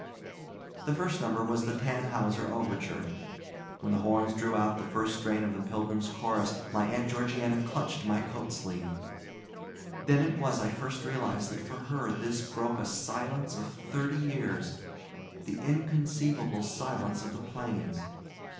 The first number was the Tannhauser overture. When the horns drew out the first strain of the Pilgrim's chorus my Aunt Georgiana clutched my coat sleeve. Then it was I first realized that for her this broke a silence of thirty years; the inconceivable silence of the plains.